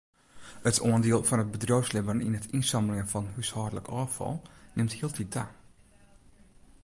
It oandiel fan it bedriuwslibben yn it ynsammeljen fan húshâldlik ôffal nimt hieltyd ta.